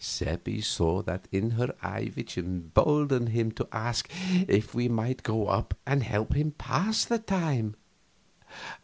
Seppi saw that in her eye which emboldened him to ask if we might go up and help him pass his time.